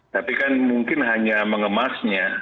tapi kan mungkin hanya mengemasnya